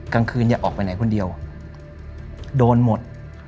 กลางคืนอย่าออกไปไหนคนเดียวโดนหมด